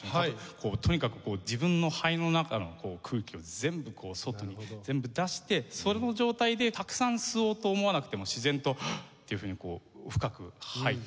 とにかく自分の肺の中の空気を全部こう外に全部出してその状態でたくさん吸おうと思わなくても自然とハッ！っていうふうに深く吐いたりするものなんですよ。